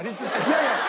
いやいや。